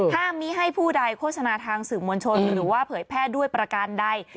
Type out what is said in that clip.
ห้ามมีให้ผู้ใดโฆษณาทางสื่อมวลชนหรือว่าเผยแพร่ด้วยประการใด